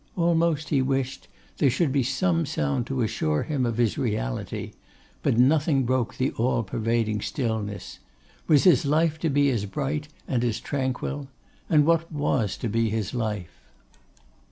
Almost he wished there should be some sound to assure him of his reality. But nothing broke the all pervading stillness. Was his life to be as bright and as tranquil? And what was to be his life?